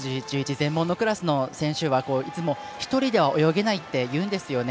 専門の選手はいつも１人では泳げないって言うんですよね。